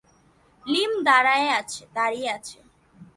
লীম দাঁড়িয়ে আছে।